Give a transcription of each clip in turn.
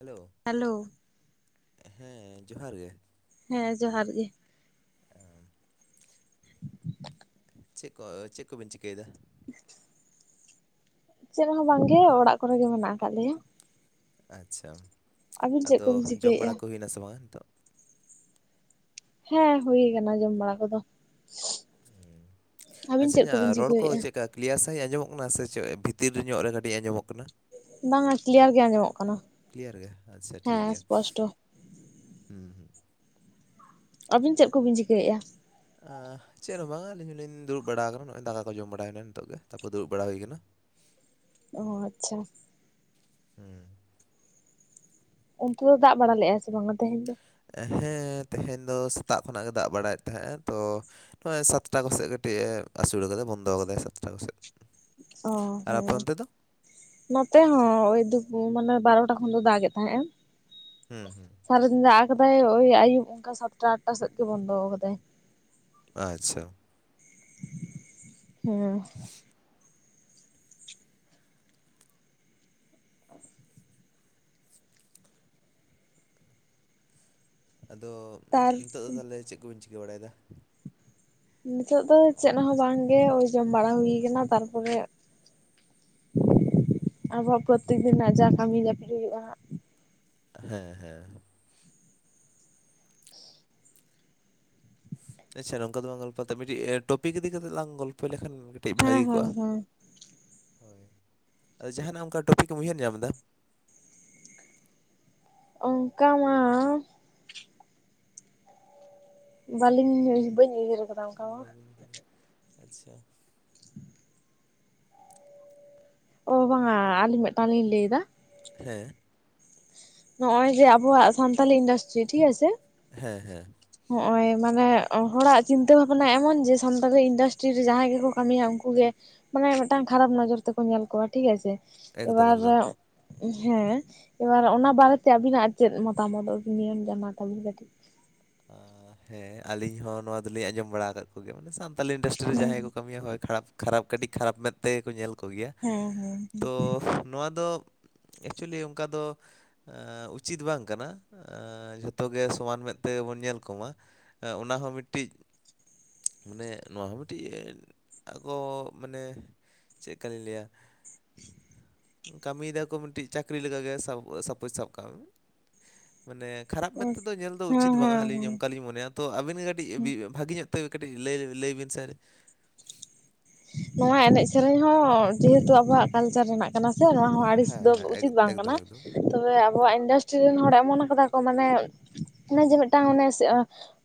Hello. Hello. ᱦᱮᱸ ᱡᱚᱦᱟᱨ ᱜᱮ᱾ ᱦᱮᱸ ᱡᱚᱦᱟᱨ ᱜᱮ᱾ ᱦᱮᱼᱼ ᱪᱮᱫᱠᱚ ᱪᱮᱫ ᱠᱚ ᱵᱤᱱ ᱪᱤᱠᱟᱹᱭᱮᱫᱟ? [inaudible] ᱪᱮᱫ ᱦᱚ ᱵᱟᱝᱜᱮ ᱚᱲᱟᱜ ᱠᱚᱨᱮ ᱜᱮ ᱢᱮᱱᱟᱜ ᱟᱠᱟᱫ ᱞᱮᱭᱟ᱾ ᱟᱪᱪᱷᱟ ᱟᱹᱵᱤᱱ ᱪᱮᱫ ᱟᱫᱚ ᱠᱚᱵᱤᱱ ᱡᱚᱢ ᱪᱤᱠᱟᱹᱭᱮᱫᱼᱟ ᱵᱟᱲᱟ ᱠᱚ ᱦᱩᱭᱱᱟ ᱥᱮ ᱵᱟᱝᱟ ᱱᱤᱛᱚᱜ᱾ ᱦᱮᱸ ᱦᱩᱭ ᱠᱟᱱᱟ ᱡᱚᱢ ᱵᱟᱲᱟ ᱠᱚᱫᱚ᱾ ᱦᱩ ᱟᱹᱵᱤᱱ ᱟᱪᱪᱷᱟ ᱪᱮᱫ ᱤᱧᱟᱹᱜ ᱠᱚᱵᱤᱱ ᱨᱚᱲ ᱠᱚ ᱪᱤᱠᱟᱹᱭᱮᱫᱼᱟ ᱪᱮᱫᱠᱟ? ᱠᱞᱤᱭᱟᱨ ᱥᱟᱺᱦᱤᱡ ᱟᱸᱡᱚᱜ ᱠᱟᱱᱟ ᱥᱮ ᱪᱮᱫ ᱵᱷᱤᱛᱤᱨ ᱧᱚᱜ ᱨᱮ ᱠᱟᱹᱴᱤᱡ ᱟᱸᱡᱚᱢᱚᱜ ᱠᱟᱱᱟ? ᱵᱟᱝᱟ ᱠᱞᱤᱭᱟᱨ ᱜᱮ ᱟᱸᱡᱚᱢᱚᱜ ᱠᱟᱱᱟ ᱠᱞᱤᱭᱟᱨ ᱜᱮ ᱟᱪᱪᱷᱟ ᱴᱷᱤᱠ ᱦᱮᱸ ᱜᱮᱭᱟ᱾ ᱥᱯᱚᱥᱴᱚ ᱦᱩᱸ ᱦᱩᱸ᱾ ᱟᱹᱵᱤᱱ ᱪᱮᱫ ᱠᱚᱵᱤᱱ ᱪᱤᱠᱟᱹᱭᱮᱫᱼᱟ? ᱪᱮᱫ ᱦᱚᱸ ᱵᱟᱝᱟ ᱟᱹᱞᱤᱧ ᱦᱚᱸᱞᱤᱧ ᱫᱲᱵ ᱵᱟᱲᱟ ᱟᱠᱟᱱᱟ ᱱᱚᱜᱼᱚᱭ ᱫᱟᱠᱟ ᱠᱚ ᱡᱚᱢ ᱵᱟᱲᱟᱭᱱᱟ ᱱᱤᱛᱚᱜ ᱜᱮ ᱛᱟᱨᱯᱚᱨ ᱫᱩᱲᱩᱵ ᱦᱩᱭ ᱠᱟᱱᱟ᱾ ᱚ ᱟᱪᱪᱷᱟ᱾ ᱦᱮᱸ᱾ ᱚᱱᱛᱮ ᱫᱚ ᱫᱟᱜ ᱵᱟᱲᱟ ᱞᱮᱫᱼᱟ ᱥᱮ ᱵᱟᱝᱟ ᱛᱮᱦᱮᱧ ᱫᱚ? ᱦᱮᱸ ᱛᱮᱦᱮᱧ ᱫᱚ ᱥᱮᱛᱟᱜ ᱠᱷᱚᱱᱟᱜ ᱜᱮ ᱫᱟᱜ ᱵᱟᱲᱟᱭᱮᱫ ᱛᱟᱦᱮᱸᱜᱼᱟ ᱛᱚ? ᱱᱚᱜᱼᱚᱭ ᱥᱟᱛᱴᱟ ᱠᱚᱥᱮᱫ ᱠᱟᱹᱴᱤᱡᱼ ᱮ ᱟᱹᱥᱩᱩᱞ ᱠᱟᱫᱟᱭ ᱵᱚᱱᱫᱚ ᱠᱟᱫᱟᱭ ᱥᱟᱛᱴᱟ ᱠᱚᱥᱮᱫ᱾ ᱚ ᱟᱨ ᱟᱯᱮ ᱦᱮᱸ᱾ ᱚᱱᱛᱮ ᱫᱚ ᱱᱚᱛᱮ ᱦᱚᱸ ᱳᱭ ᱫ ᱢᱟᱱᱮ ᱵᱟᱨᱚᱴᱟ ᱠᱷᱚᱱ ᱫᱚ ᱫᱟᱜ ᱮᱫ ᱛᱟᱦᱮᱸᱜᱼᱟ᱾ ᱦᱮᱸ ᱦᱮᱸ᱾ ᱥᱟᱨᱟᱫᱤᱱ ᱫᱟᱜ ᱟᱠᱟᱫᱟᱭ ᱳᱭ ᱟᱭᱩᱵ ᱚᱱᱠᱟ ᱥᱟᱛᱴᱟ ᱟᱴᱴᱟ ᱥᱮᱫ ᱜᱮ ᱵᱚᱱᱫᱚ ᱟᱠᱟᱫᱟᱭ᱾ ᱟᱪᱪᱷᱟ᱾ ᱦᱩᱸ ᱟᱫᱚ ᱛᱟᱨ ᱱᱤᱛᱚᱜ ᱫᱚ ᱛᱟᱦᱚᱞᱮ ᱪᱮᱫ ᱠᱚᱵᱤᱱ ᱪᱤᱠᱟᱹ ᱵᱟᱲᱟᱭᱮᱫᱟ? ᱱᱤᱛᱚᱜ ᱫᱚ ᱪᱮᱫ ᱦᱚᱸ ᱵᱟᱝᱜᱮ, ᱳᱭ ᱡᱚᱢ ᱵᱟᱲᱟ ᱦᱩᱭ ᱠᱟᱱᱟ ᱛᱟᱨᱯᱚᱨᱮ ᱟᱵᱚᱣᱟᱜ ᱯᱨᱚᱛᱮᱠ ᱫᱤᱱ ᱨᱮᱱᱟᱜ ᱡᱟ ᱠᱟᱹᱢᱤ ᱡᱟᱹᱯᱤᱫ ᱦᱩᱭᱩᱜ-ᱟ ᱦᱟᱸᱜ᱾ ᱦᱮᱸ ᱦᱮᱸ᱾ ᱟᱪᱪᱷᱟ ᱱᱚᱝᱠᱟ ᱫᱚ ᱵᱟᱝ ᱜᱚᱞᱯᱚ ᱠᱟᱛᱮᱜ ᱢᱤᱫᱴᱤᱡ ᱴᱚᱯᱤᱠ ᱤᱫᱤ ᱠᱟᱛᱮᱜ ᱞᱟᱝ ᱜᱚᱞᱯᱚᱭ ᱞᱮᱠᱷᱟᱱ ᱠᱟᱹᱡ ᱦᱟᱸᱜ ᱵᱷᱟᱹᱜᱤ ᱦᱮᱸ ᱠᱚᱜ-ᱟ᱾ ᱦᱮᱸ ᱦᱮᱸ ᱦᱳᱭ᱾ ᱟᱫᱚ ᱡᱟᱦᱟᱱᱟᱜ ᱚᱱᱠᱟ ᱴᱚᱯᱤᱠ ᱮᱢ ᱩᱭᱦᱟᱹᱨ ᱧᱟᱢ ᱮᱫᱟ? ᱚᱱᱠᱟ ᱢᱟᱻ ᱵᱟᱹᱞᱤᱧ ᱵᱟᱹᱧ ᱩᱭᱦᱟᱹᱨ ᱮᱫᱟ᱾ ᱵᱟᱵᱤᱱ ᱩᱭᱦᱟᱹᱨ ᱟᱪᱪᱷᱟ᱾ ᱳ ᱵᱟᱝᱟᱻ ᱟᱹᱞᱤᱧ ᱢᱮᱫ- ᱴᱟᱝ ᱞᱤᱧ ᱞᱟᱹᱭᱮᱫᱟ᱾ ᱦᱮᱸ᱾ ᱱᱚᱜ-ᱚᱭ ᱡᱮ ᱟᱵᱚᱣᱟᱜ ᱥᱟᱱᱛᱟᱞᱤ ᱤᱱᱰᱟᱥᱴᱨᱤ ᱴᱷᱤᱠ ᱟᱪᱷᱮ, ᱦᱮᱸ ᱦᱮᱸ᱾ ᱦᱚᱸᱜ-ᱚᱭ ᱢᱟᱱᱮ, ᱦᱚᱲᱟᱜ ᱪᱤᱱᱛᱟᱹ ᱵᱷᱟᱵᱱᱟ ᱮᱢᱚᱱ ᱡᱮ ᱥᱟᱱᱛᱟᱞᱤ ᱤᱱᱰᱟᱥᱴᱨᱤ ᱨᱮ ᱡᱟᱦᱟᱸᱭ ᱜᱮᱠᱚ ᱠᱟᱹᱢᱤᱭᱟ ᱩᱱᱠᱩ ᱜᱮ ᱢᱟᱱᱮ ᱢᱤᱫᱴᱟᱝ ᱠᱷᱟᱨᱟᱯ ᱱᱚᱡᱚᱨ ᱛᱮᱠᱚ ᱧᱮᱞ ᱠᱚᱣᱟ ᱴᱷᱤᱠ ᱟᱪᱷᱮ᱾ ᱮᱠᱫᱚᱢ ᱮᱵᱟᱨᱻ ᱮᱠᱫᱚᱢ᱾ ᱦᱮᱸ ᱮᱵᱟᱨ ᱚᱱᱟ ᱵᱟᱨᱮᱛᱮ ᱟᱵᱤᱱᱟᱜ ᱪᱮᱫ ᱢᱚᱛᱟᱢᱚᱛ ᱟᱵᱤᱱ ᱱᱤᱭᱟᱹᱢ ᱡᱟᱱᱟ ᱛᱟᱵᱤᱱ ᱠᱟᱹᱴᱤᱡ᱾ ᱟᱻ ᱦᱮᱸ ᱟᱹᱞᱤᱧ ᱦᱚᱸ ᱱᱚᱣᱟ ᱫᱚᱞᱤᱧ ᱟᱸᱡᱚᱢ ᱵᱟᱲᱟ ᱟᱠᱟᱫ ᱠᱚᱜᱮᱭᱟ᱾ ᱢᱟᱱᱮ ᱥᱟᱱᱛᱟᱞᱤ ᱤᱱᱰᱟᱥᱴᱨᱤ ᱨᱮ ᱦᱮᱸ ᱡᱟᱦᱟᱸᱭ ᱠᱚ ᱠᱟᱹᱢᱤᱭᱟ ᱦᱳᱭ ᱠᱷᱟᱨᱟᱯ ᱠᱷᱟᱨᱟᱯ ᱠᱟᱹᱴᱤᱡ ᱠᱷᱟᱨᱟᱯ ᱢᱮᱫ ᱛᱮᱜᱮ ᱠᱚ ᱧᱮᱞ ᱠᱚᱜᱮᱭᱟ ᱦᱮᱸ ᱦᱮᱸ ᱾ᱛᱚ ᱱᱚᱣᱟ ᱫᱚ ᱮᱠᱪᱩᱭᱮᱞᱤ ᱚᱱᱠᱟ ᱫᱚ ᱮᱸᱻ ᱩᱪᱤᱛ ᱵᱟᱝ ᱠᱟᱱᱟ ᱮᱸᱻ ᱡᱷᱚᱛᱚ ᱜᱮ ᱥᱚᱢᱟᱱ ᱢᱮᱫ- ᱛᱮ ᱵᱚᱱ ᱧᱮᱞ ᱠᱚᱢᱟ᱾ ᱚᱱᱟ ᱦᱚᱸ ᱢᱤᱫᱴᱤᱡ ᱢᱟᱱᱮ ᱱᱚᱣᱟ ᱦᱚᱸ ᱢᱤᱫᱴᱤᱡ ᱟᱠᱚᱻ ᱢᱟᱱᱮ ᱪᱮᱫᱠᱟ ᱞᱤᱧ ᱞᱟᱹᱭᱟ‍ ᱠᱟᱹᱢᱤᱭ ᱫᱟᱠᱚ ᱢᱤᱫᱴᱤᱡ ᱪᱟᱹᱠᱨᱤ ᱞᱮᱠᱟᱜᱮ ᱥᱟᱯᱳᱡᱽ ᱥᱟᱵ ᱠᱟᱜ ᱢᱮ᱾ ᱢᱟᱱᱮ ᱠᱷᱟᱨᱟᱯ ᱢᱮᱱ ᱦᱮᱸ ᱛᱮᱫᱚ ᱧᱮᱞ ᱫᱚ ᱦᱮᱸ ᱩᱪᱤᱛ ᱵᱟᱝᱟ, ᱦᱮᱸ ᱟᱹᱞᱤᱧ ᱦᱮᱸ ᱚᱱᱠᱟ ᱞᱤᱧ ᱢᱚᱱᱮᱭᱟ, ᱛᱚ ᱟᱹᱵᱤᱱ ᱜᱮ ᱠᱟᱹᱴᱤᱡ ᱵᱤ ᱵᱷᱟᱹᱜᱤ ᱧᱚᱜ ᱛᱮ ᱠᱟᱹᱴᱤᱡ ᱞᱟᱹᱭ ᱞᱟᱹᱭ ᱵᱤᱱ ᱥᱮ᱾ ᱱᱚᱣᱟ ᱮᱱᱮᱡ ᱥᱮᱨᱮᱧ ᱦᱚᱸ ᱡᱮᱦᱮᱛᱩ ᱟᱵᱚᱣᱟᱜ ᱠᱟᱞᱪᱟᱨ ᱨᱮᱱᱟᱜ ᱠᱟᱱᱟ ᱥᱮ ᱱᱚᱣᱟ ᱦᱚᱸ ᱟᱹᱲᱤᱥ ᱦᱮᱸ ᱫᱚ ᱦᱮᱸ ᱩᱪᱤᱛ ᱮᱠ- ᱵᱟᱝ ᱮᱠᱫᱚᱢ ᱠᱟᱱᱟ᱾ ᱮᱠᱫᱚᱢ ᱛᱚᱵᱮ ᱟᱵᱚᱣᱟᱜ ᱤᱱᱰᱟᱥᱴᱨᱤ ᱨᱮᱱ ᱦᱚᱲ ᱮᱢᱚᱱ ᱟᱠᱟᱫᱟ ᱠᱚ ᱢᱟᱱᱮ, ᱚᱱᱮ ᱡᱮ ᱢᱤᱫᱴᱟᱝ ᱚᱱᱮ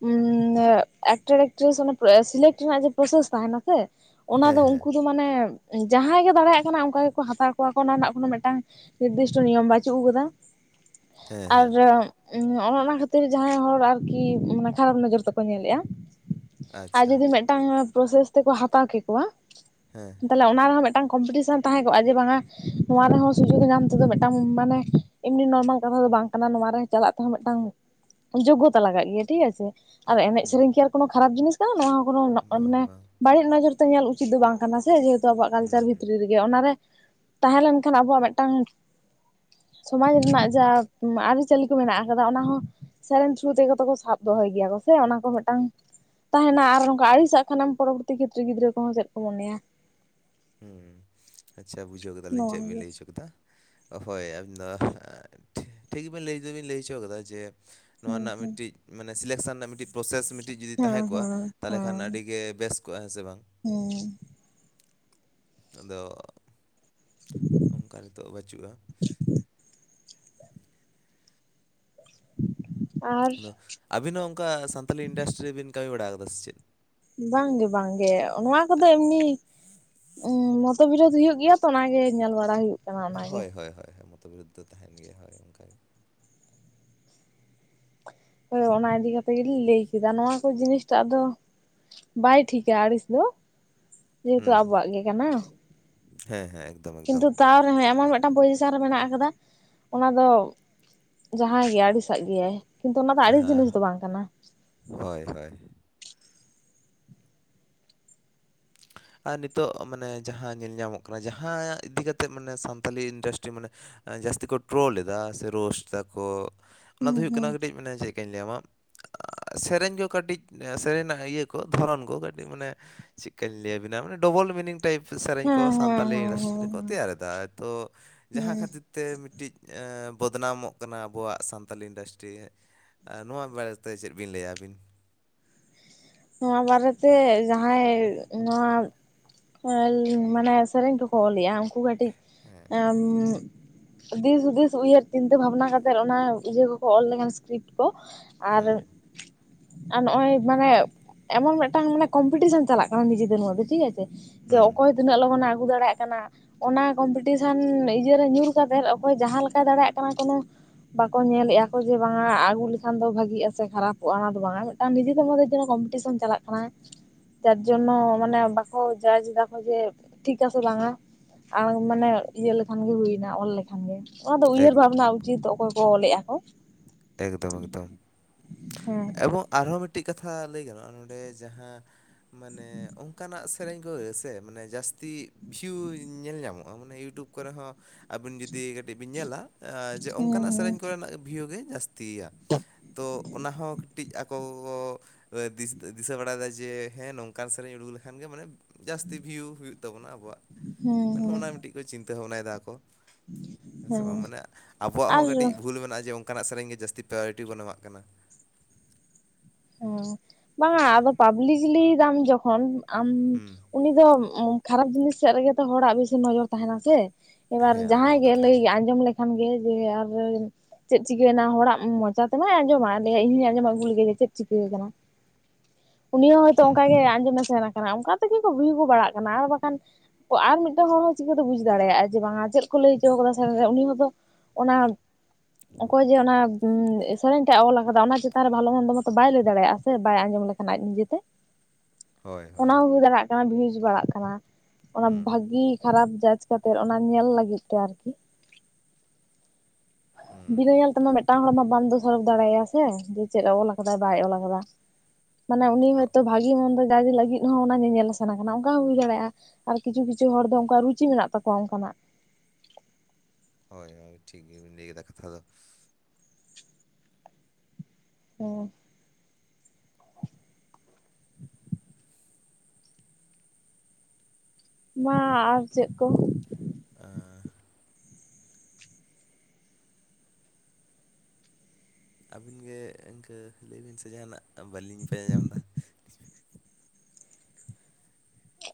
ᱩᱸᱻ ᱮᱠᱴᱟᱨ ᱮᱠᱴᱨᱮᱹᱥ ᱚᱱᱮ ᱥᱤᱞᱮᱠᱴ ᱨᱮᱱᱟᱜ ᱡᱮ ᱯᱨᱚᱥᱮᱹᱥ ᱛᱟᱦᱮᱱᱟ ᱥᱮ, ᱚᱱᱟ ᱦᱮᱸ ᱫᱚ ᱦᱮᱸ ᱩᱱᱠᱩ ᱫᱚ ᱢᱟᱱᱮᱻ ᱡᱟᱦᱟᱸᱭ ᱜᱮ ᱫᱟᱲᱮᱭᱟᱜ ᱠᱟᱱᱟ ᱚᱱᱠᱟ ᱜᱮᱠᱚ ᱦᱟᱛᱟᱣ ᱠᱚᱣᱟ ᱠᱚ ᱚᱱᱟ ᱨᱮᱱᱟᱜ ᱠᱳᱱᱳ ᱢᱤᱫᱴᱟᱝ ᱱᱤᱨᱫᱤᱥᱴᱚ ᱱᱤᱭᱚᱢ ᱵᱟᱪᱩᱜ ᱟᱠᱟᱫᱟ᱾ ᱦᱮᱸ ᱟᱨᱻ ᱦᱮᱸ ᱩᱸᱻ ᱚᱱᱟ ᱚᱱᱟ ᱠᱷᱟᱹᱛᱤᱨ ᱡᱟᱦᱟᱸᱭ ᱦᱚᱲ ᱟᱨᱠᱤ ᱠᱷᱟᱨᱟᱯ ᱱᱚᱡᱚᱨ ᱛᱮᱠᱚ ᱧᱮᱞᱮᱫ-ᱟ᱾ ᱟᱨ ᱟᱪᱪᱷᱟ ᱡᱩᱚᱫᱤ ᱢᱤᱫᱴᱟᱝ ᱯᱨᱚᱥᱮᱥ ᱛᱮᱠᱚ ᱦᱟᱛᱟᱣ ᱠᱮᱠᱚᱣᱟ, ᱦᱮᱸ᱾ ᱛᱟᱦᱞᱮ ᱚᱱᱟ ᱨᱮᱦᱚᱸ ᱢᱤᱫᱴᱟᱝ ᱠᱚᱢᱯᱤᱴᱤᱥᱮᱱ ᱛᱟᱦᱮᱸ ᱠᱚᱜᱼᱟ, ᱡᱮ ᱵᱟᱝᱟ ᱱᱚᱣᱟ ᱨᱮᱦᱚᱸ ᱥᱩᱡᱳᱜᱽ ᱧᱟᱢ ᱛᱮᱫᱚ ᱢᱤᱫᱴᱟᱝ ᱢᱟᱱᱮ ᱮᱢᱱᱤ ᱱᱚᱨᱢᱟᱞ ᱠᱟᱛᱷᱟ ᱫᱚ ᱵᱟᱝ ᱠᱟᱱᱟ ᱱᱚᱣᱟ ᱨᱮ ᱪᱟᱞᱟᱜ ᱛᱮᱦᱚᱸ ᱢᱮᱫᱴᱟᱝ ᱡᱳᱜᱜᱚᱛᱟ ᱞᱟᱜᱟᱜ ᱜᱮᱭᱟ ᱴᱷᱤᱠ ᱟᱪᱷᱮ᱾ ᱟᱨ ᱮᱱᱮᱡ ᱦᱩᱸ ᱥᱮᱨᱮᱧ ᱠᱤ ᱟᱨ ᱠᱚᱱᱚ ᱠᱷᱟᱨᱟᱯ ᱡᱤᱱᱤᱥ ᱠᱟᱱᱟ ᱱᱚᱣᱟ ᱦᱚᱸ ᱠᱚᱱᱚ ᱵᱟᱝ ᱢᱟᱱᱮ ᱵᱟᱝ ᱵᱟᱹᱲᱤᱡ ᱱᱚᱡᱚᱨ ᱛᱚ ᱧᱮᱞ ᱩᱪᱤᱛ ᱫᱚ ᱵᱟᱝ ᱠᱟᱱᱟ ᱥᱮ᱾ ᱡᱮᱦᱮᱛᱩ ᱟᱵᱚᱣᱟᱜ ᱦᱩᱸ ᱠᱟᱞᱪᱟᱨ ᱦᱩᱸ ᱵᱷᱤᱛᱨᱤ ᱨᱮᱼ ᱜᱮ᱾ ᱚᱱᱟᱨᱮ ᱛᱟᱦᱮᱸ ᱞᱮᱱᱠᱷᱟᱱ ᱟᱵᱚᱣᱟᱜ ᱢᱤᱫᱴᱟᱝ ᱥᱚᱢᱟᱡᱽ ᱨᱮᱱᱟᱜ ᱡᱟ ᱟᱹᱨᱤᱪᱟᱹᱞᱤ ᱠᱚ ᱢᱮᱱᱟᱜ ᱠᱟᱫᱟ ᱚᱱᱟ ᱦᱚᱸ ᱥᱮᱨᱮᱧ ᱛᱷᱨᱩ ᱛᱮᱜᱚ ᱠᱚ ᱥᱟᱵ ᱫᱚᱦᱚᱭ ᱜᱮᱭᱟ ᱠᱚ ᱥᱮ ᱚᱱᱟ ᱠᱚ ᱢᱤᱫᱴᱟᱝ᱾ ᱛᱟᱦᱮᱱᱟ ᱟᱨ ᱱᱚᱝᱠᱟ ᱟᱹᱲᱤᱥᱟᱜ ᱠᱷᱟᱱᱮᱢ ᱯᱚᱨᱚᱵᱚᱨᱛᱤ ᱠᱷᱮᱛᱨᱮ ᱜᱤᱫᱽᱨᱟᱹ ᱠᱚᱦᱚᱸ ᱪᱮᱫ ᱠᱚ ᱢᱚᱱᱮᱭᱟ᱾ ᱦᱩᱸ ᱟᱪᱪᱷᱟ ᱵᱩᱡᱷᱟᱹᱣ ᱠᱮᱫᱟᱞᱤᱧ ᱱᱚᱣᱟ ᱪᱮᱫ ᱵᱤᱱ ᱜᱮ ᱞᱟᱹᱭ ᱦᱚᱪᱚ ᱠᱮᱫᱟ᱾ ᱦᱳᱭ ᱟᱵᱤᱱ ᱫᱚ ᱴᱷᱤᱠ ᱜᱤᱵᱤᱱ ᱞᱟᱹᱭ ᱫᱚᱵᱤᱱ ᱞᱟᱹᱭ ᱦᱚᱪᱚ ᱟᱠᱟᱫᱟ ᱡᱮ ᱱᱚᱣᱟ ᱦᱩᱸ ᱨᱮᱱᱟᱜ ᱦᱩᱸ ᱢᱤᱫᱴᱤᱡ᱾ ᱢᱟᱱᱮ ᱥᱤᱞᱮᱠᱥᱮᱱ ᱨᱮᱱᱟᱜ ᱢᱤᱫᱴᱤᱡ ᱯᱨᱚᱥᱮᱥ ᱢᱤᱫᱴᱤᱡ ᱡᱩᱫᱤ ᱦᱮᱸ ᱛᱟᱦᱮᱸ ᱠᱚᱜᱼᱟ ᱦᱮᱸ ᱛᱟᱦᱚᱞᱮ ᱠᱷᱟᱱ ᱟᱹᱰᱤ ᱜᱮ ᱵᱮᱥ ᱠᱚᱜᱼᱟ ᱦᱮᱸ ᱥᱮ ᱵᱟᱝ᱾ ᱦᱩᱸ᱾ ᱟᱫᱚ᱾ ᱚᱱᱠᱟ ᱱᱤᱛᱚᱜ ᱵᱟᱪᱩᱜᱼᱟ᱾ [unintelligible] ᱟᱫᱚ ᱟᱹᱵᱤᱱ ᱦᱚᱸ ᱚᱱᱠᱟ ᱥᱟᱱᱛᱟᱞᱤ ᱤᱱᱰᱟᱥᱴᱨᱤ ᱨᱮᱵᱤᱱ ᱠᱟᱹᱢᱤ ᱵᱟᱲᱟ ᱟᱠᱟᱫᱟ ᱥᱮ ᱪᱮᱫ? ᱵᱟᱝᱜᱮ ᱵᱟᱝᱜᱮ ᱱᱚᱣᱟ ᱠᱚᱫᱚ ᱮᱢᱱᱤ᱾ ᱢᱚᱛᱚᱵᱤᱞᱟ. ᱛ ᱦᱩᱭᱩᱜ ᱜᱮᱭᱟ ᱛᱚ ᱚᱱᱟ ᱜᱮ ᱧᱮᱞ ᱵᱟᱲᱟ ᱦᱩᱭᱩᱜ᱾ ᱠᱟᱱᱟ ᱚᱱᱟᱜᱮ ᱦᱳᱭ ᱦᱳᱭ ᱦᱳᱭ ᱢᱚᱛᱚᱵᱤᱞᱟ. ᱛ ᱫᱚ ᱛᱟᱦᱮᱱ ᱜᱮᱭᱟ ᱦᱳᱭ ᱚᱱᱠᱟᱜᱮ᱾ ᱦᱳᱭ ᱚᱱᱟ ᱤᱫᱤ ᱠᱟᱛᱮᱜ ᱜᱮᱞᱤᱧ ᱞᱟᱹᱭ ᱠᱮᱫᱟ ᱱᱚᱣᱟ ᱠᱚ ᱡᱤᱱᱤᱥᱴᱟᱜ ᱫᱚ᱾ ᱵᱟᱭ ᱴᱷᱤᱠᱟ ᱟᱲᱤᱥ ᱫᱚ ᱡᱮᱦᱮᱛᱩ ᱦᱩᱸ ᱟᱵᱚᱣᱟᱜ ᱜᱮ ᱠᱟᱱᱟ᱾ ᱦᱮᱸ ᱦᱮᱸ᱾ ᱠᱤᱱᱛᱩ ᱮᱠᱫᱚᱢ ᱛᱟᱣ ᱨᱮᱦᱚᱸ ᱮᱢᱚᱱ ᱢᱤᱫᱴᱟᱝ ᱯᱚᱡᱤᱥᱮᱱ ᱨᱮ ᱢᱮᱱᱟᱜ ᱟᱠᱟᱫᱟ ᱚᱱᱟ ᱫᱚ᱾ ᱡᱟᱦᱟᱸᱭ ᱜᱮ ᱟᱹᱲᱤᱥᱟᱜ ᱜᱮᱭᱟᱭ ᱠᱤᱱᱛᱩ ᱚᱱᱟ ᱫᱚ ᱟᱹᱲᱤᱥ ᱡᱤᱱᱤᱥ ᱦᱮᱸ ᱫᱚ ᱵᱟᱝ ᱠᱟᱱᱟ᱾ ᱦᱳᱭ ᱦᱳᱭ᱾ ᱟᱨ ᱱᱤᱛᱚᱜ ᱢᱟᱱᱮ ᱡᱟᱦᱟᱸ ᱧᱮᱞ ᱧᱟᱢᱚᱜ ᱠᱟᱱᱟ ᱡᱟᱦᱟᱸ ᱤᱫᱤ ᱠᱟ ᱠᱟᱛᱮ ᱢᱟᱱᱮ ᱥᱟᱱᱛᱟᱞᱤ ᱤᱱᱰᱟᱥᱴᱨᱤ ᱢᱟᱱᱮ᱾ ᱡᱟᱹᱥᱛᱤ ᱠᱚ ᱴᱨᱳᱞ ᱮᱫᱟ ᱥᱮ ᱨᱳᱥᱴ ᱫᱟᱠᱚ ᱚᱱᱟ ᱫᱚ ᱦᱩᱸ ᱦᱩᱭᱩᱜ ᱦᱩᱸ ᱠᱟᱱᱟ ᱠᱟᱹᱴᱤᱡ ᱢᱟᱱᱮ ᱪᱮᱫᱠᱟᱧ ᱞᱟᱹᱭᱟᱢᱟ᱾ ᱥᱮᱨᱮᱧ ᱠᱚ ᱠᱟᱹᱴᱤᱡ ᱥᱮᱨᱮᱧᱱᱟᱜ ᱤᱭᱟᱹ ᱠᱚ ᱫᱷᱚᱨᱚᱱ ᱠᱚ ᱠᱟᱹᱴᱤᱡ ᱢᱟᱱᱮ᱾ ᱠᱟ. ᱞᱟ. ᱭ ᱟᱵᱤᱱᱟ ᱢᱟᱱᱮ ᱰᱚᱵᱚᱞ ᱢᱤᱱᱤᱝ᱾ ᱴᱟᱭᱤᱯ ᱥᱮᱨᱮᱧ ᱦᱮᱸ ᱠᱚ ᱦᱮᱸ ᱦᱮᱸ ᱥᱟᱱᱛᱟᱞᱤ ᱤᱱᱰᱟᱥᱴᱨᱤ ᱦᱮᱸ ᱦᱮᱸ ᱨᱮᱠᱚ ᱛᱮᱭᱟᱨ ᱮᱫᱟ ᱛᱚ ᱡᱟᱦᱟᱸ ᱦᱮᱸ ᱠᱷᱟᱹᱛᱤᱨ ᱛᱮ᱾ ᱛᱮ ᱢᱤᱫᱴᱤᱡ ᱵᱚᱫᱱᱟᱢᱚᱜ ᱠᱟᱱᱟ ᱟᱵᱚᱣᱟᱜ ᱥᱟᱱᱛᱟᱞᱤ ᱤᱱᱰᱟᱥᱴᱨᱤ᱾ ᱟᱨ ᱱᱚᱣᱟ ᱵᱟᱨᱮᱛᱮ ᱪᱮᱫ ᱵᱤᱱ ᱞᱟᱹᱭᱟ ᱟᱹᱵᱤᱱ? ᱱᱚᱣᱟ ᱵᱟᱨᱮᱛᱮ ᱡᱟᱦᱟᱸᱭ ᱱᱚᱣᱟ᱾ ᱢᱟᱱᱮ ᱥᱮᱨᱮᱧ ᱠᱚᱠᱚ ᱚᱞ ᱮᱜᱼᱟ ᱩᱱᱠᱩ ᱠᱟᱹᱴᱤᱡ ᱦᱮᱸ ᱮᱸᱸᱸᱸᱢ᱾ ᱫᱤᱥ ᱦᱩᱫᱤᱥ ᱩᱭᱦᱟᱹᱨ ᱪᱤᱱᱛᱟᱹ ᱵᱷᱟᱵᱱᱟ ᱠᱟᱛᱮᱫ ᱚᱱᱟ ᱤᱭᱟᱹ ᱠᱚᱠᱚ ᱚᱞ ᱞᱮᱠᱷᱟᱱ ᱥᱠᱨᱤᱯᱴ ᱠᱚ᱾ ᱟᱨ ᱦᱩᱸ ᱟᱨ ᱱᱚᱜᱼᱚᱭ ᱢᱟᱱᱮ᱾ ᱮᱢᱚᱱ ᱢᱤᱫᱴᱟᱝ ᱢᱟᱱᱮ ᱠᱚᱢᱯᱤᱴᱤᱥᱮᱱ ᱪᱟᱞᱟᱜ ᱠᱟᱱᱟ ᱱᱤᱡᱮ ᱫᱷᱮᱨ ᱢᱚᱫᱫᱷᱮ ᱴᱷᱤᱠ ᱟᱪᱷᱮ ᱡᱮ ᱦᱩᱸ ᱚᱠᱚᱭ᱾ ᱛᱤᱱᱟᱹᱜ ᱞᱚᱜᱚᱱᱮ ᱟᱹᱜᱩ ᱫᱟᱲᱮᱭᱟᱜ ᱠᱟᱱᱟ᱾ ᱚᱱᱟ ᱠᱚᱢᱯᱤᱴᱤᱥᱮᱱ ᱤᱭᱟᱹᱨᱮ ᱧᱩᱨ ᱠᱟᱛᱮᱫ ᱚᱠᱚᱭ ᱡᱟᱦᱟᱸ ᱞᱮᱠᱟᱭ ᱫᱟᱲᱮᱭᱟᱜ ᱠᱟᱱᱟ ᱠᱳᱱᱳ᱾ ᱵᱟᱠᱚ ᱧᱮᱞᱮᱜᱼᱟ ᱠᱚ ᱡᱮ ᱵᱟᱝ ᱟᱜᱩ ᱞᱮᱠᱷᱟᱱ ᱫᱚ ᱵᱷᱟᱜᱤᱜᱼᱟ ᱥᱮ ᱠᱷᱟᱨᱟᱯᱚᱜᱼᱟ ᱚᱱᱟ ᱫᱚ ᱵᱟᱝᱼᱟ ᱢᱤᱫᱴᱟᱱ ᱱᱤᱡᱮ ᱢᱚᱫᱽᱫᱷᱮ ᱡᱮᱱᱚᱼᱼ ᱴᱤᱥᱚᱱ ᱪᱟᱞᱟᱜ ᱠᱟᱱᱟ᱾ ᱡᱟᱨᱡᱚᱱᱱᱚ ᱢᱟᱱᱮ ᱵᱟᱠᱚ ᱡᱟᱡ ᱫᱟᱠᱚ ᱡᱮ ᱴᱷᱤᱠ ᱟᱥᱮ ᱵᱟᱝᱟ᱾ ᱟᱨ ᱢᱟᱱᱮ ᱤᱭᱟᱹ ᱞᱮᱠᱷᱟᱱ ᱜᱮ ᱦᱩᱭᱱᱟ ᱚᱞ ᱞᱮᱠᱷᱟᱱ ᱜᱮ᱾ ᱚᱱᱟ ᱫᱚ ᱩᱭᱦᱟᱹᱨ ᱮᱠ ᱵᱷᱟᱵᱽᱱᱟ ᱩᱪᱤᱛ ᱚᱠᱚᱭ ᱠᱚ ᱚᱞᱮᱼᱟ ᱠᱚ᱾ ᱮᱠᱫᱚᱢ ᱮᱠᱫᱚᱢ ᱦᱮᱸ ᱮᱵᱚᱝ᱾ ᱟᱨᱦᱚᱸ ᱢᱤᱫᱴᱤᱡ ᱠᱟᱛᱷᱟ ᱞᱟᱹᱭ ᱜᱟᱱᱚᱜᱼᱟ ᱱᱚᱰᱮ ᱡᱟᱦᱟᱸ᱾ ᱢᱟᱱᱮ ᱚᱱᱠᱟᱱᱟᱜ ᱥᱮᱨᱮᱧ ᱠᱚ ᱥᱮ ᱢᱟᱱᱮ ᱡᱟᱹᱥᱛᱤ ᱵᱷᱤᱭᱩ ᱧᱮᱞ ᱧᱟᱢᱚᱜᱼᱟ ᱢᱟᱱᱮ ᱤᱭᱩᱴᱩᱵᱽ᱾ ᱠᱚᱨᱮ ᱦᱚᱸ ᱟᱹᱵᱤᱱ ᱡᱩᱫᱤ ᱠᱟᱹᱴᱤᱡ ᱵᱤᱱ ᱧᱮᱞᱟ᱾ ᱡᱮ ᱚᱱᱠᱟᱱᱟᱜ ᱥᱮᱨᱮᱧ ᱦᱮᱸ ᱠᱚᱨᱮᱱᱟᱜ ᱵᱷᱤᱭᱩ ᱜᱮ ᱡᱟᱹᱥᱛᱤᱭᱟ ᱛᱚ ᱚᱱᱟ ᱦᱚᱸ ᱠᱟᱼᱼ ᱴᱤᱡ ᱟᱠᱚ ᱫᱤᱥᱟᱹ ᱵᱟᱲᱟᱭᱮᱫᱟ ᱡᱮ ᱦᱮᱸ ᱱᱚᱝᱠᱟᱱ ᱥᱮᱨᱮᱧ ᱩᱰᱩᱠ ᱞᱮᱠᱷᱟᱱ ᱜᱮ ᱢᱟᱱᱮ᱾ ᱡᱟᱹᱥᱛᱤ ᱵᱷᱤᱭᱩ ᱦᱩᱭᱩᱜ ᱛᱟᱵᱚᱱᱟ ᱟᱵᱚᱣᱟᱜ ᱦᱮᱸ ᱢᱮᱱᱦᱚᱸ ᱦᱮᱸ ᱚᱱᱟ ᱢᱤᱫᱴᱤᱡ ᱠᱚ ᱪᱤᱱᱛᱟᱹ ᱵᱷᱟᱵᱽᱱᱟᱭᱮᱫᱟ ᱟᱠᱚ᱾ ᱦᱮᱸ ᱥᱮ ᱵᱟᱝ? ᱢᱟᱱᱮ ᱟᱵᱚᱣᱟᱜ ᱟᱨ ᱦᱚᱸ ᱠᱟᱹᱴᱤᱡ ᱵᱷᱩᱞ ᱢᱮᱱᱟᱜ ᱡᱮ ᱚᱝᱠᱟᱱᱟᱜ ᱥᱮᱨᱮᱧ ᱜᱮ ᱡᱟᱹᱥᱛᱤ ᱯᱨᱟᱭᱨᱚᱨᱤᱴᱤ ᱵᱚᱱ ᱮᱢᱟᱜ ᱠᱟᱱᱟ᱾ ᱦᱩᱸ, ᱵᱟᱝᱟ ᱟᱫᱚ ᱯᱟᱵᱞᱤᱠᱞᱤᱭ ᱫᱟᱢ ᱡᱚᱠᱷᱚᱱ, ᱟᱢ ᱦᱩᱸ ᱩᱱᱤ ᱫᱚ ᱠᱷᱟᱨᱟᱯ ᱡᱤᱱᱤᱥ ᱥᱮᱫ ᱨᱮᱜᱮ ᱛᱚ, ᱦᱚᱲᱟᱜ ᱵᱤᱥᱤ ᱱᱚᱡᱚᱨ ᱛᱟᱸᱦᱮᱱᱟ ᱥᱮ᱾ ᱮᱵᱟᱨ ᱦᱮᱸ ᱚᱱᱟ ᱡᱟᱦᱟᱸᱭ ᱢᱟ ᱜᱮ ᱠᱟᱛᱷᱟ ᱞᱟᱹᱭ ᱟᱸᱡᱚᱢ ᱞᱮᱠᱷᱟᱱ ᱜᱮ, ᱡᱮ ᱟᱨ ᱪᱮᱫ ᱪᱤᱠᱟᱹᱭᱱᱟ? ᱦᱚᱲᱟᱜ ᱢᱚᱪᱟ ᱛᱮᱢᱟᱭ ᱟᱸᱡᱚᱢᱟ᱾ ᱞᱟᱹᱭᱟᱭ ᱤᱧ ᱟᱸᱡᱚᱢ ᱟᱜᱩ ᱞᱮᱜᱮ ᱡᱮ, ᱪᱮᱫ ᱪᱤᱠᱟᱹ ᱠᱟᱱᱟ? ᱩᱱᱤ ᱦᱚᱸ ᱦᱚᱭᱛᱳ ᱦᱩᱸ ᱚᱝᱠᱟ ᱜᱮ ᱟᱸᱡᱚᱢᱮ ᱥᱮᱱ ᱠᱟᱱᱟ᱾ ᱚᱝᱠᱟ ᱛᱮᱜᱮ ᱛᱚ ᱦᱩᱭ ᱦᱚᱸ ᱵᱟᱲᱟᱜ ᱠᱟᱱᱟ, ᱟᱨ ᱵᱟᱠᱷᱟᱱ ᱚ, ᱟᱨ ᱢᱤᱫᱴᱟᱝ ᱦᱚᱲ ᱦᱚᱸ ᱪᱤᱠᱟᱹᱛᱮ ᱵᱩᱡᱽ ᱫᱟᱲᱮᱭᱟᱜ-ᱟᱭ? ᱡᱮ ᱵᱟᱝᱟ, ᱪᱮᱫ ᱠᱚ ᱞᱟᱹᱭ ᱦᱚᱪᱚᱣ ᱠᱟᱫᱟ ᱥᱮᱱ ᱡᱟᱛᱮ ᱩᱱᱤ ᱦᱚᱸᱛᱚ ᱚᱱᱟ, ᱚᱠᱚᱭ ᱡᱮ ᱚᱱᱟ ᱥᱮᱨᱮᱧ ᱴᱟᱜ-ᱮ ᱚᱞ ᱠᱟᱫᱟ, ᱚᱱᱟ ᱪᱮᱛᱟᱱ ᱨᱮ ᱵᱷᱟᱞᱮ ᱢᱚᱱᱫᱚ ᱢᱚᱛᱚ ᱵᱟᱭ ᱞᱟᱹᱭ ᱫᱟᱲᱮᱭᱟᱜ-ᱟ, ᱥᱮ ᱵᱟᱭ ᱟᱸᱡᱚᱢ ᱞᱮᱠᱷᱟᱱ ᱟᱡ ᱱᱤᱡᱮᱛᱮ᱾ ᱦᱳᱭ ᱚᱱᱟ ᱦᱳᱭ ᱦᱚᱸ ᱦᱩᱭ ᱫᱟᱲᱮᱭᱟᱜ-ᱟ᱾ ᱵᱟᱝ ᱵᱩᱡᱽ ᱵᱟᱲᱟᱜ ᱠᱟᱱᱟ᱾ ᱚᱱᱟ ᱦᱩᱸ ᱵᱷᱟᱜᱤ ᱠᱷᱟᱨᱟᱯ ᱡᱟᱡ ᱠᱟᱛᱮᱜ, ᱚᱱᱟ ᱧᱮᱞ ᱞᱟᱹᱜᱤᱫ ᱛᱮ ᱟᱨᱠᱤ᱾ ᱦᱩᱸ ᱵᱤᱱᱟᱹ ᱧᱮᱞ ᱛᱮᱢᱟ ᱢᱤᱫᱴᱟᱝ ᱦᱚᱲ ᱢᱟ ᱵᱟᱢ ᱫᱳᱥᱟᱨᱚᱯ ᱫᱟᱲᱮᱭᱟᱭᱟ ᱥᱮ, ᱡᱮ ᱪᱮᱫ-ᱮ ᱚᱞ ᱠᱟᱫᱟᱭ ᱵᱟᱭ ᱚᱞ ᱠᱟᱫᱟ᱾ ᱢᱟᱱᱮ ᱩᱱᱤ ᱦᱚᱜ ᱦᱚᱭᱛᱚ ᱵᱷᱟᱜᱮ ᱵᱷᱟᱜᱤ ᱢᱚᱱᱫᱚ ᱡᱟᱡᱽ ᱞᱟᱹᱜᱤᱫ ᱦᱚᱸ ᱚᱱᱟ ᱧᱮᱧᱮᱞᱮ ᱥᱮᱱ ᱠᱟᱱᱟ, ᱚᱝᱠᱟ ᱦᱚᱸ ᱦᱩᱭ ᱫᱟᱲᱮᱭᱟᱜ-ᱟ᱾ ᱟᱨ ᱠᱤᱪᱷᱩ ᱠᱤᱪᱷᱩ ᱦᱚᱲ ᱫᱚ, ᱩᱝᱠᱩᱣᱟᱜ ᱨᱩᱪᱤ ᱢᱮᱱᱟᱜ ᱛᱟᱠᱚᱣᱟ ᱚᱝᱠᱟᱱᱟᱜ᱾ ᱦᱳᱭ ᱦᱳᱭ, ᱴᱷᱤᱠ ᱜᱮᱵᱤᱱ ᱞᱟᱹᱭ ᱠᱮᱫᱟ ᱠᱟᱛᱷᱟ ᱫᱚ᱾ ᱦᱩᱸ᱾ ᱢᱟᱻ ᱟᱨ ᱪᱮᱫ ᱠᱚ? ᱟᱸᱻ ᱟᱹᱵᱤᱱ ᱜᱮ, ᱤᱝᱠᱟᱹ ᱞᱟᱹᱭ ᱵᱤᱱ ᱥᱮ ᱡᱟᱸᱦᱟᱱᱟᱜ, ᱵᱟᱹᱞᱤᱧ ᱯᱟᱸᱡᱟ ᱧᱟᱢᱫᱟ᱾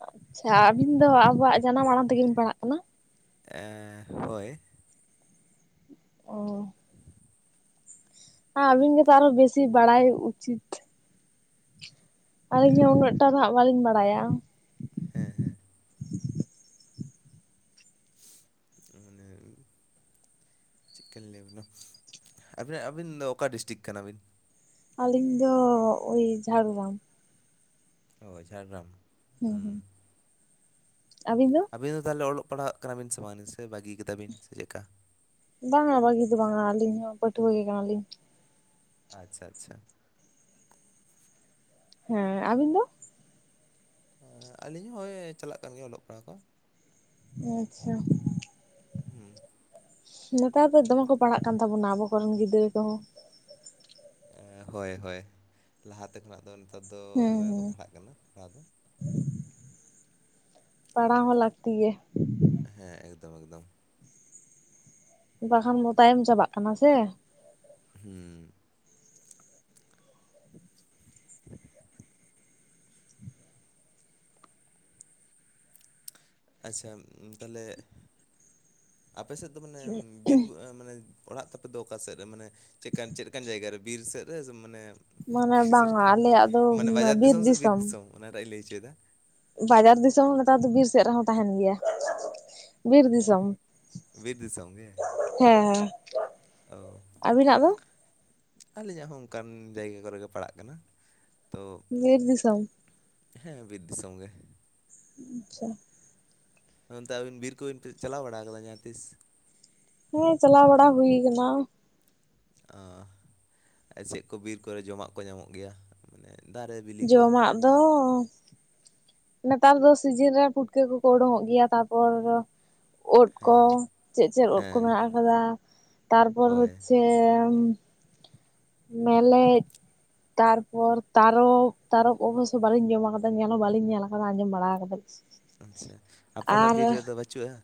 ᱟᱪᱪᱷᱟ, ᱟᱹᱵᱤᱱ ᱫᱚ ᱟᱵᱚᱣᱟᱜ ᱡᱟᱱᱟᱢ ᱟᱲᱟᱝ ᱛᱮᱜᱮ ᱵᱤᱱ ᱯᱟᱲᱦᱟᱜ ᱠᱟᱱᱟ? ᱮᱸᱻ ᱦᱳᱭ᱾ ᱚᱻ। [inaudible] ᱦᱮᱸ, ᱟᱵᱤᱱ ᱜᱮᱛᱚ ᱟᱨᱦᱚᱸ ᱵᱤᱥᱤ ᱵᱟᱲᱟᱭ ᱩᱪᱤᱛ᱾ ᱟᱹᱞᱤᱧ ᱦᱚᱸ ᱮᱸ ᱩᱱᱟᱹᱜ ᱴᱟ ᱫᱚ ᱦᱟᱸᱜ ᱵᱟᱹᱞᱤᱧ ᱵᱟᱲᱟᱭᱟ᱾ ᱦᱮᱸ ᱦᱮᱸ᱾ ᱢᱟᱱᱮ ᱪᱮᱫᱠᱟᱧ ᱞᱟᱹᱭᱟᱵᱤᱱᱟ? ᱟᱹᱵᱤᱱᱟᱜ ᱟᱹᱵᱤᱱ ᱚᱠᱟ ᱰᱤᱥᱴᱤᱠ ᱠᱟᱱᱟ ᱵᱤᱱ? ᱟᱹᱞᱤᱧ ᱫᱚᱻ ᱳᱭ ᱡᱷᱟᱲᱜᱨᱟᱢ᱾ ᱚ, ᱡᱷᱟᱲᱜᱨᱟᱢ? ᱦᱩᱸ ᱦᱩᱸ, ᱟᱹᱵᱤᱱ ᱫᱚ? ᱟᱹᱵᱤᱱ ᱫᱚ ᱛᱟᱦᱞᱮ ᱚᱞᱚᱜ ᱯᱟᱲᱦᱟᱜ ᱠᱟᱱᱟ ᱵᱤᱱ ᱥᱮ ᱵᱟᱝ? ᱥᱮ ᱵᱟᱹᱜᱤᱭ ᱠᱟᱫᱟ ᱵᱤᱱ ᱥᱮ ᱪᱮᱫᱠᱟ? ᱵᱟᱝᱟ, ᱵᱟᱹᱜᱤ ᱫᱚ ᱵᱟᱝᱟ᱾ ᱟᱹᱞᱤᱧ ᱦᱚᱸ ᱯᱟᱹᱴᱷᱩᱣᱟᱹ ᱜᱮ ᱠᱟᱱᱟ ᱞᱤᱧ᱾ ᱟᱪᱪᱷᱟ ᱟᱪᱪᱷᱟ᱾ ᱦᱮᱸᱻ᱾ ᱟᱵᱤᱱ ᱫᱚ? ᱦᱮᱸᱻ᱾ ᱟᱹᱞᱤᱧ ᱦᱚᱸ ᱦᱳᱭ ᱪᱟᱞᱟᱜ ᱠᱟᱱ ᱜᱮᱭᱟ, ᱚᱞᱚᱜ ᱯᱟᱲᱦᱟᱣ ᱠᱚ᱾ ᱟᱪᱪᱷᱟ᱾ ᱦᱩᱸ᱾ ᱱᱮᱛᱟᱨ ᱫᱚ ᱫᱚᱢᱮ ᱠᱚ ᱯᱟᱲᱦᱟᱜ ᱠᱟᱱ ᱛᱟᱵᱚᱱᱟ ᱟᱵᱚ ᱠᱚᱨᱮᱱ ᱜᱤᱫᱟᱹᱨ ᱠᱚᱦᱚᱸ᱾ ᱮᱻ ᱦᱳᱭ ᱦᱳᱭ᱾ ᱞᱟᱦᱟᱛᱮ ᱠᱷᱚᱱᱟᱜ ᱫᱚ ᱱᱮᱛᱟᱨ ᱫᱚ ᱦᱩᱸ ᱫᱚᱢᱮ ᱠᱚ ᱦᱩᱸ ᱯᱟᱲᱦᱟᱜ ᱠᱟᱱᱟ ᱯᱟᱲᱦᱟᱣ ᱫᱚ᱾ ᱯᱟᱲᱦᱟᱣ ᱦᱚᱸ ᱞᱟᱹᱠᱛᱤ ᱜᱮ᱾ ᱦᱮᱸ, ᱮᱠᱫᱚᱢ ᱮᱠᱫᱚᱢ᱾ ᱵᱟᱠᱷᱟᱱ ᱵᱚ ᱛᱟᱭᱚᱢ ᱪᱟᱵᱟᱜ ᱠᱟᱱᱟ ᱥᱮ? ᱦᱩᱸᱻ [inaudible] ᱟᱪᱪᱷᱟ, ᱛᱟᱦᱟᱞᱮ ᱼᱼ ᱟᱯᱮ ᱥᱮᱫ ᱫᱚ ᱢᱟᱱᱮ ᱵᱤᱨ ᱵᱩ ᱢᱟᱱᱮ ᱚᱲᱟᱜ ᱛᱟᱯᱮ ᱫᱚ ᱚᱠᱟ ᱥᱮᱫ ᱨᱮ? ᱢᱟᱱᱮ ᱼᱼ ᱪᱮᱫᱟᱱ ᱪᱮᱫ ᱞᱮᱠᱟᱱ ᱡᱟᱭᱜᱟ ᱨᱮ? ᱵᱤᱨ ᱥᱮᱫ ᱨᱮ? ᱢᱟᱱᱮ ᱢᱟᱱᱮ ᱼᱼ ᱵᱟᱝᱟ ᱟᱞᱮᱭᱟᱜ ᱫᱚ [unintelligible] ᱢᱟᱱᱮ ᱵᱟᱡᱟᱨ ᱫᱤᱥᱚᱢ ᱥᱮ ᱵᱤᱨ ᱫᱤᱥᱚᱢ? ᱚᱱᱟᱴᱟᱜ ᱤᱧ ᱞᱟᱹᱭ ᱦᱚᱪᱚᱭᱮᱫᱟ। ᱵᱟᱡᱟᱨ ᱫᱤᱥᱚᱢ ᱦᱚᱸ, ᱱᱮᱛᱟᱨ ᱫᱚ ᱵᱤᱨ ᱥᱮᱫ ᱨᱮᱦᱚᱸ ᱛᱟᱦᱮᱱ ᱜᱮᱭᱟ। ᱵᱤᱨ ᱫᱤᱥᱚᱢ, ᱵᱤᱨ ᱫᱤᱥᱚᱢ ᱦᱮᱸ ᱦᱮᱸ᱾ ᱚᱻ ᱟᱹᱵᱤᱱᱟᱜ ᱫᱚ ᱟᱞᱮᱧᱟᱜ ᱦᱚᱸ ᱚᱱᱠᱟᱱ ᱡᱟᱭᱜᱟ ᱠᱚᱨᱮ ᱜᱮ ᱯᱟᱲᱟᱜ ᱠᱟᱱᱟ᱾ ᱛᱚ ᱵᱤᱨ ᱫᱤᱥᱚᱢᱚᱢ᱾ ᱦᱮᱸ ᱵᱤᱨ ᱫᱤᱥᱚᱢ ᱜᱮ᱾ ᱟᱪᱪᱷᱟ ᱱᱚᱱᱛᱮ ᱟᱹᱵᱤᱱ ᱵᱤᱨ ᱠᱚᱵᱤᱱ ᱪᱟᱞᱟᱣ ᱵᱟᱲᱟ ᱠᱟᱫᱟ ᱡᱟᱦᱟᱸ ᱛᱤᱥ? ᱦᱮᱸ ᱪᱟᱞᱟᱣ ᱵᱟᱲᱟ ᱦᱩᱭ ᱠᱟᱱᱟ᱾ ᱚᱻ ᱪᱮᱫ ᱠᱚ ᱵᱤᱨ ᱠᱚᱨᱮ ᱡᱚᱢᱟᱜ ᱠᱚ ᱧᱟᱢᱚᱜ ᱜᱮᱭᱟ ᱢᱟᱱᱮ ᱫᱟᱨᱮ ᱵᱤᱞᱤ ᱠᱚ? ᱢᱟᱜ ᱫᱚᱻ ᱱᱮᱛᱟᱨ ᱫᱚ ᱥᱤᱡᱤᱱ ᱨᱮ ᱯᱷᱩᱴᱠᱟᱹ ᱠᱚᱠᱚ ᱩᱰᱩᱠᱚᱜ ᱜᱮᱭᱟ᱾ ᱛᱟᱨᱯᱚᱨ ᱩᱫ ᱠᱚ, ᱦᱮᱸ ᱪᱮᱫ ᱪᱮᱫ ᱩᱫ ᱠᱚ ᱦᱮᱸ ᱢᱮᱱᱟᱜ ᱟᱠᱟᱫᱟ᱾ ᱛᱟᱨᱯᱚᱨ ᱦᱳᱭ ᱦᱚᱪᱪᱷᱮ ᱢᱮᱞᱮᱫ, ᱛᱟᱨᱯᱚᱨ ᱛᱟᱨᱚᱯ, ᱛᱟᱨᱚᱯ ᱚᱵᱚᱥᱥᱚ ᱵᱟᱹᱞᱤᱧ ᱡᱚᱢ ᱟᱠᱟᱫᱟ ᱧᱮᱞ ᱦᱚᱸ ᱵᱟᱞᱤᱧ ᱧᱮᱞᱟᱫᱟ᱾ ᱟᱡ ᱟᱸᱡᱚᱢ ᱵᱟᱲᱟᱣ ᱠᱟᱫᱟ ᱟᱪᱪᱷᱟ ᱟᱯᱮ ᱚᱱᱟ ᱵᱤᱨ ᱨᱮᱫᱚ ᱵᱟᱹᱪᱩᱜᱼᱟ?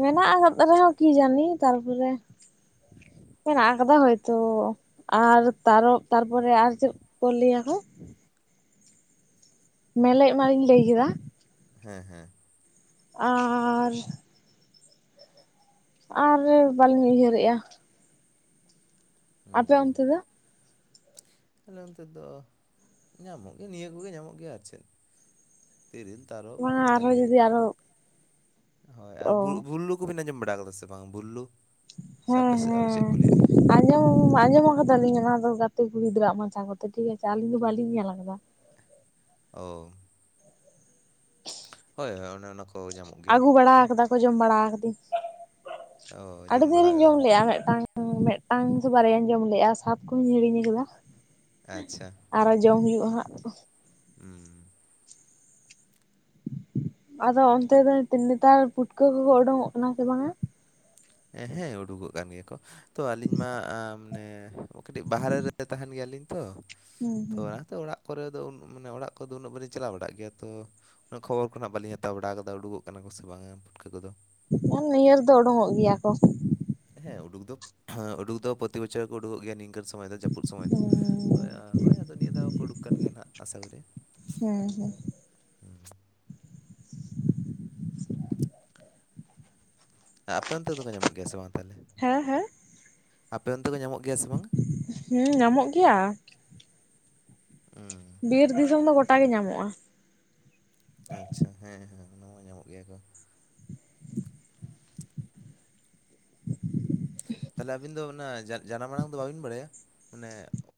ᱢᱮᱱᱟᱜ ᱟᱠᱟᱫ ᱨᱮᱦᱚᱸ ᱠᱤ ᱡᱟᱹᱱᱤ, ᱛᱟᱨᱯᱚᱨᱮ [inaudible] ᱢᱮᱱᱟᱜ ᱠᱟᱫᱟ ᱦᱚᱭ ᱛᱚ ᱟᱨ ᱛᱟᱨᱚ ᱛᱟᱨᱯᱚᱨᱮ ᱟᱨ ᱪᱮᱫ ᱠᱚ ᱞᱟᱹᱭᱟᱠᱚ? [inaudible] ᱢᱮᱞᱮ ᱮᱢᱤᱧ ᱞᱟᱹᱭ ᱠᱮᱫᱟ᱾ ᱦᱮᱸ ᱦᱮᱸ ᱟᱨᱻ ᱟᱨ ᱵᱟᱹᱞᱤᱧ ᱩᱭᱦᱟᱹᱨᱮᱜᱼᱟ᱾ ᱟᱯᱮ ᱦᱩᱸ ᱚᱱᱛᱮ ᱫᱚ᱾ ᱟᱞᱮ ᱱᱚᱱᱛᱮ ᱫᱚ ᱧᱟᱢᱚᱜ ᱜᱮᱭᱟ ᱱᱤᱭᱟᱹ ᱠᱚᱜᱮ ᱧᱟᱢᱚᱜ ᱜᱮᱭᱟ᱾ ᱟᱨ ᱪᱮᱫ? ᱛᱤᱨᱤᱞ ᱛᱟᱨᱚ ᱵᱟᱝᱟ ᱟᱨᱦᱚᱸ ᱢᱮᱨᱞᱮᱜ ᱡᱩᱫᱤ ᱟᱨᱚ ᱟᱨ ᱵᱷᱩ- ᱚ ᱵᱩᱞᱩᱜ᱾ ᱠᱚ ᱵᱤᱱ ᱟᱸᱡᱚᱢ ᱵᱟᱲᱟ ᱠᱟᱫᱟ ᱥᱮ ᱵᱟᱝ? ᱵᱩᱞᱩ ᱠᱩ ᱦᱮᱸ ᱦᱮᱸ [unintelligible] ᱟᱸᱡᱚᱢ ᱟᱸᱡᱚᱢ ᱟᱠᱟᱫᱟᱞᱤᱧ ᱚᱱᱟᱫᱚ ᱜᱟᱛᱤ ᱠᱩᱲᱤ ᱜᱤᱫᱽᱨᱟᱹ ᱢᱚᱪᱷᱟ ᱠᱚᱛᱮ ᱴᱷᱤᱠ ᱟᱪᱷᱮ ᱟᱹᱞᱤᱧ ᱫᱚ ᱵᱟᱹᱞᱤᱧ ᱧᱮᱞ ᱟᱠᱟᱫᱟ᱾ ᱚᱻ ᱦᱳᱭ ᱚᱱᱮ ᱚᱱᱟ ᱠᱚ᱾ ᱧᱟᱢᱚᱜ ᱜᱮᱭᱟ ᱟᱹᱜᱩ ᱵᱟᱲᱟ ᱟᱠᱟᱫᱟ ᱠᱚ ᱡᱚᱢ ᱵᱟᱲᱟ ᱟᱠᱟᱫᱟᱹᱧ, ᱚ ᱟᱹᱰᱤ ᱫᱤᱱ ᱵᱟᱲᱟ ᱨᱮᱧ ᱡᱚᱢ ᱠᱟᱫᱟᱢ ᱞᱮᱫᱼᱟ ᱢᱤᱫᱴᱟᱝ᱾ ᱢᱤᱫᱴᱟᱝ ᱥᱮ ᱵᱟᱨᱭᱟ ᱡᱚᱢ ᱞᱮᱫᱼᱟ ᱥᱟᱵ ᱠᱦᱚᱱᱤᱧ ᱦᱤᱲᱤᱧ ᱟᱠᱟᱫᱟ᱾ ᱟᱪᱪᱷᱟ ᱟᱨᱚ ᱡᱚᱢ ᱦᱩᱭᱩᱜᱼᱟ ᱦᱟᱸᱜ [inaudible] ᱦᱩᱸ ᱟᱫᱚ ᱚᱱᱛᱮ ᱫᱚ ᱱᱮᱛᱟᱨ ᱯᱩᱴᱠᱟᱹ ᱠᱚᱠᱚ ᱩᱰᱩᱜ-ᱚᱜ ᱠᱟᱱᱟ ᱥᱮ ᱵᱟᱝᱟ? ᱮ ᱦᱮᱸ ᱩᱰᱩᱠᱚᱜ ᱠᱟᱱ ᱜᱮᱭᱟ ᱠᱚ, ᱛᱚ ᱟᱹᱞᱤᱧ ᱢᱟ ᱢᱟᱱᱮ ᱚ ᱠᱟᱹᱴᱤᱜ ᱵᱟᱦᱨᱮ ᱨᱮ ᱛᱟᱦᱮᱱ ᱜᱮᱭᱟᱞᱤᱧ ᱛᱚ ᱛᱚ ᱦᱩᱸ ᱚᱱᱟᱛᱮ ᱚᱲᱟᱜ ᱠᱚᱨᱮ ᱫᱚ ᱩᱸ ᱢᱟᱱᱮ ᱚᱲᱟᱜ ᱠᱚᱫᱚ ᱩᱱᱟᱹᱜ ᱵᱟᱹᱞᱤᱧ ᱪᱟᱞᱟᱣ ᱵᱟᱲᱟᱜ ᱜᱮᱭᱟ ᱛᱚ ᱩᱱᱟᱹᱜ ᱠᱷᱚᱵᱚᱨ ᱠᱚ ᱱᱦᱟᱜ ᱵᱟᱹᱞᱤᱧ ᱦᱟᱛᱟᱣ ᱵᱟᱲᱟᱣ ᱠᱟᱫᱟ ᱩᱰᱠᱚᱜ ᱠᱟᱱᱟ ᱠᱚ ᱥᱮ ᱵᱟᱝᱟ ᱯᱩᱴᱠᱟᱹ ᱠᱚᱫᱚ᱾ ᱟᱨ ᱱᱤᱭᱟᱹ ᱨᱮᱫᱚ ᱚᱰᱝᱚᱜ ᱜᱮᱭᱟ ᱠᱚ᱾ ᱦᱮᱸ ᱩᱰᱩᱠ ᱫᱚ ᱦᱮ ᱩᱰᱩᱠ ᱫᱚ ᱯᱨᱚᱛᱤ ᱵᱚᱪᱷᱚᱨ ᱠᱚ ᱩᱰᱩᱠᱚᱜ ᱜᱮᱭᱟ ᱱᱤᱝᱠᱟᱹ ᱥᱚᱢᱚᱭ ᱫᱚ ᱡᱟᱹᱯᱩᱫ ᱥᱚᱢᱚᱭ ᱫᱚ ᱦᱳᱭ ᱟᱫᱚ ᱱᱤᱭᱟᱹ ᱫᱷᱟᱣ ᱠᱚ ᱩᱰᱩᱠ ᱠᱟᱱ ᱜᱮᱭᱟ ᱱᱦᱟᱜ ᱟᱥᱟ ᱠᱚᱨᱮ᱾ ᱦᱩᱸ ᱦᱩᱸ ᱩᱸ ᱟ ᱟᱯᱮ ᱚᱱᱛᱮ ᱫᱚ ᱠᱚ ᱧᱟᱢᱚᱜ ᱜᱮᱭᱟ ᱥᱮ ᱵᱟᱝ ᱛᱟᱦᱞᱮ? ᱦᱮᱸ ᱦᱮᱸ ᱟᱯᱮ ᱚᱱᱛᱮ ᱠᱚ ᱧᱟᱢᱚᱜ ᱜᱮᱭᱟ ᱥᱮ ᱵᱟᱝᱟ? ᱦᱩᱸ ᱧᱟᱢᱚᱜ ᱜᱮᱭᱟ ᱦᱩᱸ ᱵᱤᱨ ᱫᱤᱥᱚᱢ ᱫᱚ ᱜᱚᱴᱟ ᱜᱮ ᱧᱟᱢᱚᱜ-ᱟ᱾ ᱟᱪᱪᱷᱟ ᱦᱮᱸ ᱦᱮᱸ ᱚᱱᱟ ᱢᱟ ᱧᱟᱢᱚᱜ ᱜᱮᱭᱟ ᱠᱚ᱾ ᱛᱟᱦᱞᱮ ᱟᱹᱵᱤᱱ ᱫᱚ ᱚᱱᱟ ᱡᱟ ᱡᱟᱱᱟᱝ ᱫᱚ ᱵᱟᱵᱤᱱ ᱵᱟᱲᱟᱭᱟ? ᱢᱟᱱᱮ